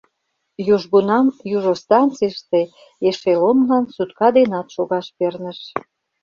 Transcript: Южгунам южо станцийыште эшелонлан сутка денат шогаш перныш.